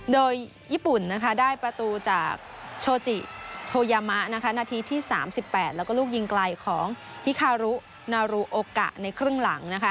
โดยญี่ปุ่นนะคะได้ประตูจากโชจิโทยามะนาทีที่๓๘แล้วก็ลูกยิงไกลของพิคารุนารูโอกะในครึ่งหลังนะคะ